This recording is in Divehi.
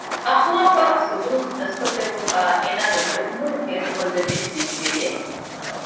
އަޚުލާޤާ ސުލޫކު ދަސްކޮށްދެއްވުމުގައި އޭނާގެ މުޅި އުމުރު ހޭދަކޮށްލެއްވި މޭސްތިރިއެއް